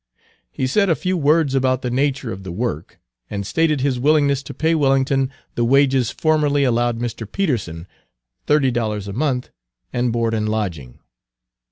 He said a few words about the nature of the work, and stated his willingness to pay Wellington the wages formerly allowed Mr. Peterson, thirty dollars a month and board and lodging.